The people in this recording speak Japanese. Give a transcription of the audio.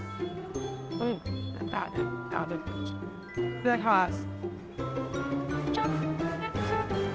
いただきます。